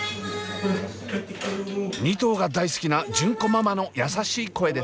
２頭が大好きな純子ママの優しい声です。